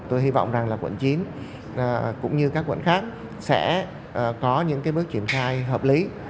tôi hy vọng rằng là quận chín cũng như các quận khác sẽ có những cái bước triển khai hợp lý